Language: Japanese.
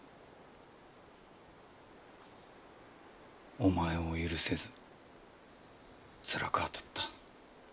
お前を許せずつらくあたった。